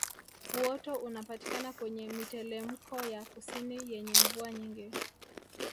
Uoto unapatikana kwenye mitelemko ya kusini yenye mvua nyingi